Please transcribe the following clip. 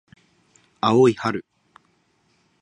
青い春